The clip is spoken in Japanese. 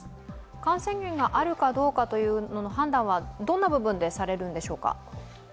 感染源があるかどうかというのの判断はどんな部分でされるんでしょうか？